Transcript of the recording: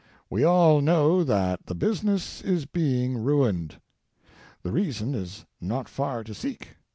We all know that the Business is being ruined. The reason is rot far to seek.